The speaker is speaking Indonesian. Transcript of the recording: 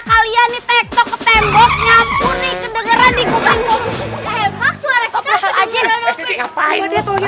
kalian di tektok ke tembok nyamper nih kedengeran di kubing kubing